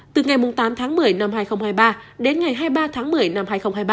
từ ngày tám tháng một mươi năm hai nghìn hai mươi ba đến ngày hai mươi ba tháng một mươi năm hai nghìn hai mươi ba